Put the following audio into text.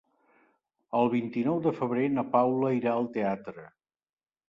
El vint-i-nou de febrer na Paula irà al teatre.